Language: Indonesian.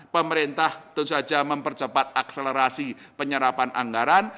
pemerintah tentu saja mempercepat akselerasi penyerapan anggaran